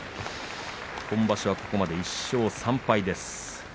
今場所はここまで１勝３敗です。